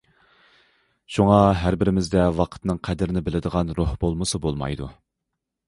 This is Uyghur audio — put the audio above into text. شۇڭا ھەر بىرىمىزدە ۋاقىتنىڭ قەدرىنى بىلىدىغان روھ بولمىسا بولمايدۇ.